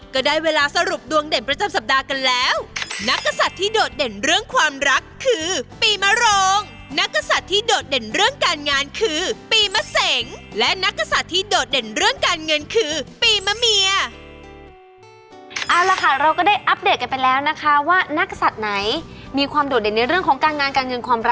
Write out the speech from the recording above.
ก็ได้เวลาสรุปดวงเด่นประจำสัปดาห์กันแล้วนักกษัตริย์ที่โดดเด่นเรื่องความรักคือปีมะโรงนักกษัตริย์ที่โดดเด่นเรื่องการงานคือปีมะเสงและนักกษัตริย์ที่โดดเด่นเรื่องการเงินคือปีมะเมียเอาละค่ะเราก็ได้อัปเดตกันไปแล้วนะคะว่านักศัตริย์ไหนมีความโดดเด่นในเรื่องของการงานการเงินความรัก